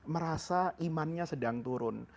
merasa imannya sedang turun